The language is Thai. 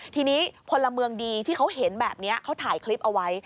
ทีนี้พลเมืองดีที่เขาเห็นแบบนี้เขาถ่ายคลิปเอาไว้